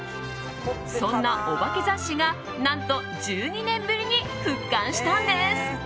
そんなお化け雑誌が何と１２年ぶりに復刊したんです。